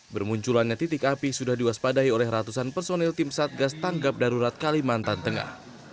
bermunculannya titik api sudah diwaspadai oleh ratusan personil tim satgas tanggap darurat kalimantan tengah